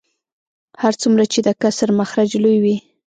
هر څومره چې د کسر مخرج لوی وي